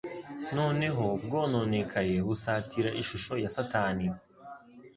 noneho bwononekaye busatira ishusho ya Satani.